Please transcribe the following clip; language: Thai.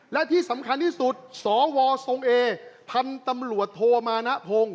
และที่สำคัญที่สุดสวสเอพตโธมน